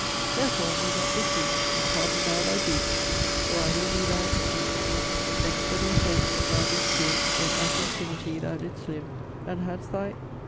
Therfore me not beseech To pardon now thy breech For I will be thy ... leech, ... leech. Next for the offense that thou didst give When as in Trinity thou didst live, And hadst thy